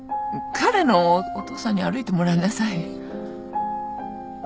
彼のお父さんに歩いてもらいなさい。